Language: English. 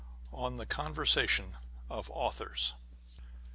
On the Conversation of Authors.